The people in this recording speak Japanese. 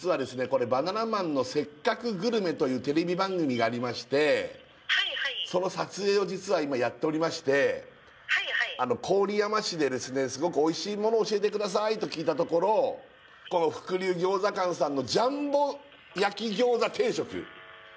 これ「バナナマンのせっかくグルメ！！」というテレビ番組がありまして郡山市ですごくおいしいものを教えてくださいと聞いたところ福龍餃子館さんのジャンボ焼き餃子定食